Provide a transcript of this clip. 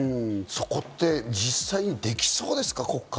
そこって実際できそうですか？